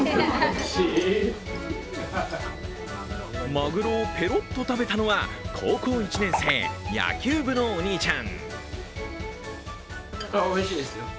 まぐろをペロッと食べたのは高校１年生、野球部のお兄ちゃん。